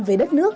về đất nước